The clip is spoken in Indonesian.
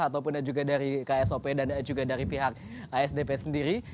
ataupun juga dari ksop dan juga dari pihak asdp sendiri